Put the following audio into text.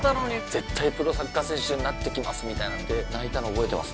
絶対プロサッカー選手になってきますみたいなの言って泣いたの覚えてます。